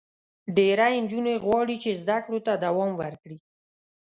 ډېری نجونې غواړي چې زده کړو ته دوام ورکړي.